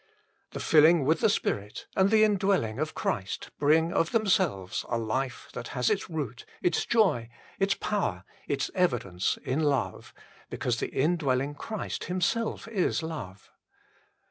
l The filling with the Spirit and the indwelling of Christ bring of themselves a life that has its root, its joy, its power, its evidence in love, because the in dwelling Christ Himself is Love.